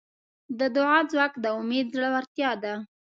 د دعا ځواک د امید زړورتیا ده.